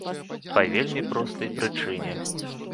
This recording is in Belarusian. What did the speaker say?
Па вельмі простай прычыне.